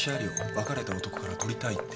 別れた男から取りたいって。